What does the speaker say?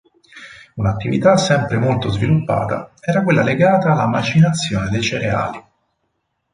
Un'attività sempre molto sviluppata era quella legata alla macinazione dei cereali.